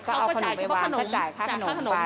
เขาก็จ่ายเฉพาะขนมจ่ายข้าวขนม